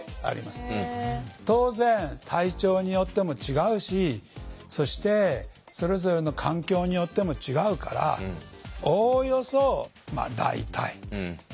当然体調によっても違うしそしてそれぞれの環境によっても違うから「おおよそ」「だいたい」そういう見方が大事だろうと。